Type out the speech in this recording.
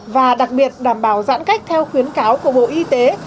và đặc biệt đảm bảo giãn cách theo khuyến cáo của bộ y tế